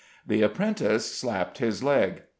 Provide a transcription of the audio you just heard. The apprentice slapped his leg.